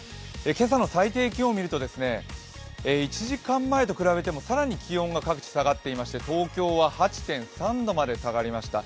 今朝の最低気温を見ると、１時間前と比べても更に気温が、各地下がっていまして東京は８．３度まで下がりました。